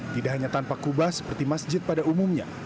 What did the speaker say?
tidak hanya tanpa kubah seperti masjid pada umumnya